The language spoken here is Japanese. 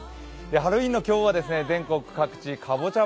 ハロウィーンの今日は全国各地かぼちゃ